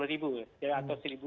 kalau sekarang seminggu ya seminggu